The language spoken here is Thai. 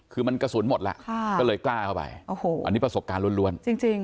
คือมันกระสุนหมดแล้วก็เลยกล้าเข้าไปโอ้โหอันนี้ประสบการณ์ล้วนจริงจริง